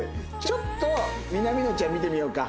ちょっと南野ちゃん見てみようか。